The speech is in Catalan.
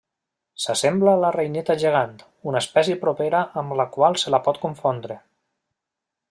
S'assembla a la reineta gegant, una espècie propera amb la qual se la pot confondre.